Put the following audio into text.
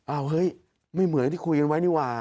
เฮ้ยไม่เหมือนที่คุยกันไว้นี่ว่า